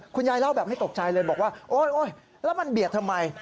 คุณยายเล่าแบบไม่ตกใจเลยบอกว่าโอ๊ยแล้วมันเบียดทำไม